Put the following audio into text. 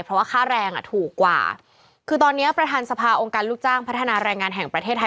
เพราะว่าค่าแรงอ่ะถูกกว่าคือตอนเนี้ยประธานสภาองค์การลูกจ้างพัฒนาแรงงานแห่งประเทศไทย